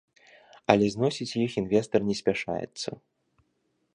Але зносіць іх інвестар не спяшаецца.